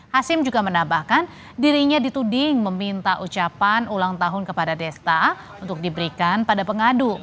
hasim juga menambahkan dirinya dituding meminta ucapan ulang tahun kepada desta untuk diberikan pada pengadu